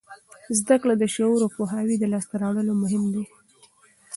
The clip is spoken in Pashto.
زده کړه د شعور او پوهاوي د لاسته راوړلو لپاره مهم دی.